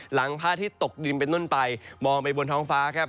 พระอาทิตย์ตกดินเป็นต้นไปมองไปบนท้องฟ้าครับ